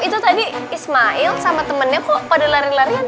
itu tadi ismail sama temennya kok pada lari lari